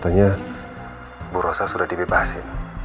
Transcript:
katanya bu rosa sudah dibebasin